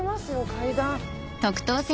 階段。